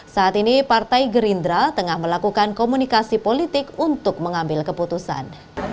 saat ini partai gerindra tengah melakukan komunikasi politik untuk mengambil keputusan